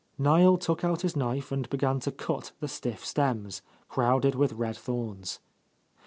Niel took out his knife and began to cut the stiff stems, crowded with red thorns.